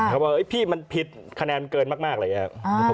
เขาบอกพี่มันผิดคะแนนเกินมากอะไรอย่างนี้